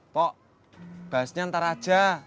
pok bahasnya ntar aja